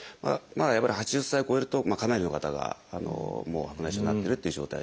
やっぱり８０歳を超えるとかなりの方が白内障になってるっていう状態ですね。